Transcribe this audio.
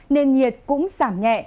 nền nhiệt cũng giảm nhẹ